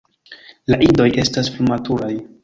La idoj estas frumaturaj.